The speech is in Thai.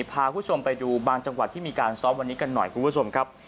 พาคุณผู้ชมไปดูบางจังหวัดที่มีการซ้อมวันนี้กันหน่อยคุณผู้ชมครับ